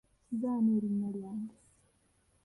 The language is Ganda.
Nze ani erinnya lyange?